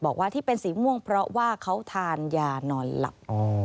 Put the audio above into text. บอกว่าที่เป็นสีม่วงเพราะว่าเขาทานยานอนหลับ